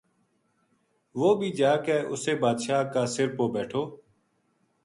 وہ بھی جا کے اُسے بادشاہ کا سر پو بیٹھو